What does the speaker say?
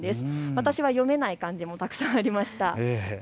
私は読めない漢字もたくさんありました。